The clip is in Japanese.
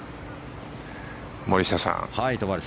森下さん